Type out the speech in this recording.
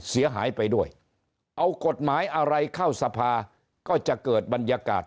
เสียหายไปด้วยเอากฎหมายอะไรเข้าสภาก็จะเกิดบรรยากาศ